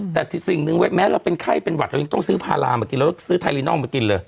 แต่สิ่งหนึ่งแม้เราเป็นไข้เป็นหวัดเรายังต้องซื้อพารามากินเราซื้อไทรินอลมากินเลย